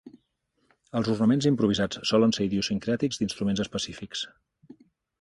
Els ornaments improvisats solen ser idiosincràtics d'instruments específics.